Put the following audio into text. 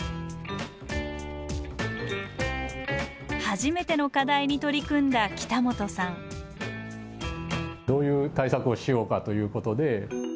初めての課題に取り組んだ北本さんどういう対策をしようかということで。